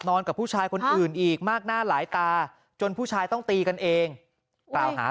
กับผู้ชายคนอื่นอีกมากหน้าหลายตาจนผู้ชายต้องตีกันเองกล่าวหา